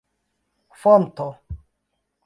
fonto